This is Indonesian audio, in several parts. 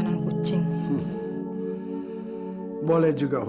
nanti dulu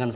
mas